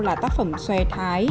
là tác phẩm xòe thái